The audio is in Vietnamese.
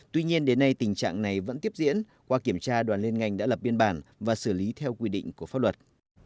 tuy nhiên đến nay tình trạng này vẫn tiếp diễn qua kiểm tra đoàn liên ngành đã lập biên bản và xử lý theo quy định của pháp luật